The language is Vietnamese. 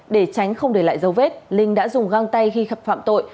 để tránh không để lại dấu vết linh đã dùng găng tay khi khắp phạm tội